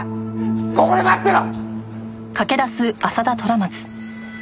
ここで待ってろ！